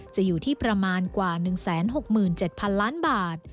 จะอยู่ที่ประมาณกว่า๑๖๗๐๐๐ล้านบาท